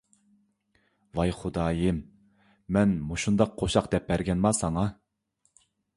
ۋاي خۇدايىم، مەن مۇشۇنداق قوشاق دەپ بەرگەنما ساڭا؟